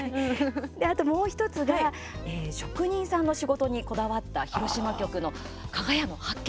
あと、もう１つが職人さんの仕事にこだわった広島局の「かが屋の発見！